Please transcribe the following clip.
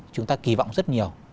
chúng ta kỳ vọng rất nhiều